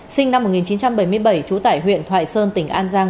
sinh năm một nghìn chín trăm bảy mươi bảy trú tải huyện thoại sơn tỉnh an giang